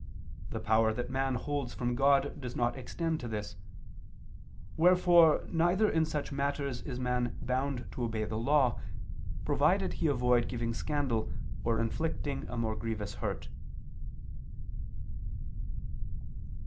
The power that man holds from God does not extend to this: wherefore neither in such matters is man bound to obey the law, provided he avoid giving scandal or inflicting a more grievous hurt.